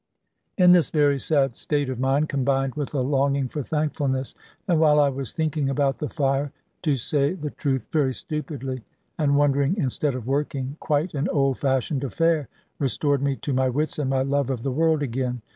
In this very sad state of mind, combined with a longing for thankfulness, and while I was thinking about the fire to say the truth, very stupidly, and wondering instead of working quite an old fashioned affair restored me to my wits and my love of the world again.